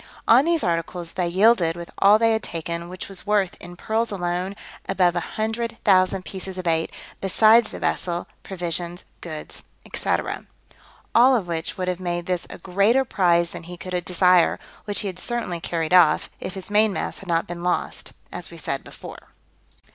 On these articles they yielded with all they had taken, which was worth, in pearls alone, above 100,000 pieces of eight, besides the vessel, provisions, goods, &c. All of which would have made this a greater prize than he could desire, which he had certainly carried off, if his main mast had not been lost, as we said before.